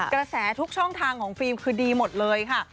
กระแสทุกช่องทางของฟิล์มคือดีหมดเลยค่ะ